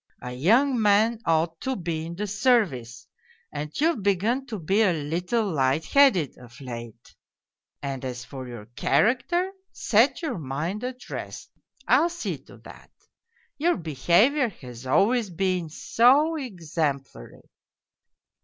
A young man ought to be in the service, and you've begun to be a little light headed of late. And as for your character, set your mind at rest : I'll see to that ! Your behaviour has always been so exemplary